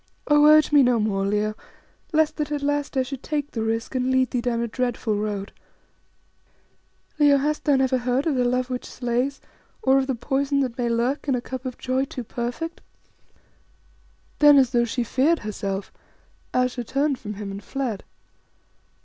"Oh! urge me no more, Leo, lest that at last I should take the risk and lead thee down a dreadful road. Leo, hast thou never heard of the love which slays, or of the poison that may lurk in a cup of joy too perfect?" Then, as though she feared herself, Ayesha turned from him and fled.